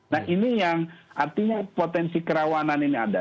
nah ini yang artinya potensi kerawanan ini ada